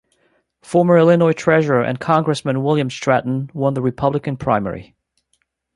Former Illinois Treasurer and congressman William Stratton won the Republican primary.